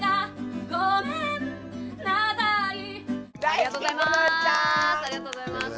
ありがとうございます。